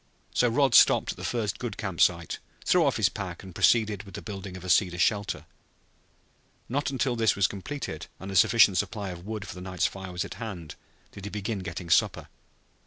So Rod stopped at the first good camp site, threw off his pack, and proceeded with the building of a cedar shelter. Not until this was completed and a sufficient supply of wood for the night's fire was at hand did he begin getting supper.